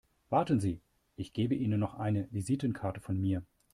Warten Sie, ich gebe Ihnen noch eine Visitenkarte von mir.